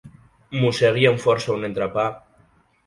Mossegui amb força un entrepà.